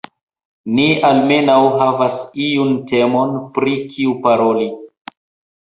Ni almenaŭ havas iun temon, pri kiu paroli.